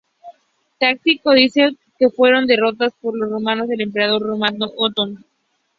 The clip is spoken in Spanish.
Tácito dice que fueron derrotados por los romanos del emperador romano Otón.